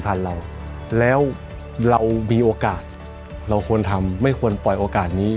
เราแล้วเรามีโอกาสเราควรทำไม่ควรปล่อยโอกาสนี้